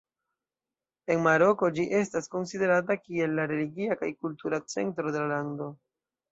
En Maroko ĝi estas konsiderata kiel la religia kaj kultura centro de la lando.